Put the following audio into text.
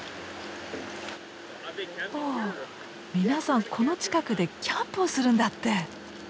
皆さんこの近くでキャンプをするんだって。